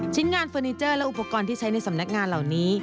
งานเฟอร์นิเจอร์และอุปกรณ์ที่ใช้ในสำนักงานเหล่านี้